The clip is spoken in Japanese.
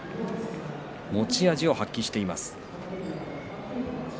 持ち味を発揮しています。